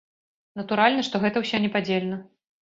Натуральна, што гэта ўсё непадзельна.